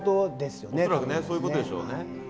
恐らくそういうことでしょうね。